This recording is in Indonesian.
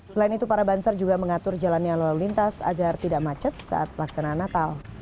selain itu para banser juga mengatur jalannya lalu lintas agar tidak macet saat pelaksanaan natal